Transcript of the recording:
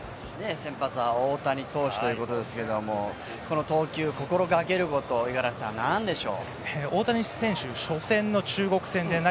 先発は大谷投手ですがこの投球で心がけること五十嵐さん、何でしょう？